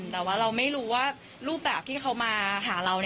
แต่ว่าเราไม่รู้ว่ารูปแบบที่เขามาหาเรา